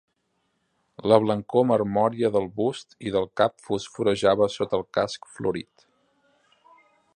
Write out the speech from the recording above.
La blancor marmòria del bust i del cap fosforejava sota el casc florit.